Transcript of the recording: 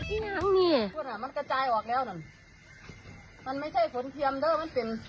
อุ้ยเป็นตะยานแท้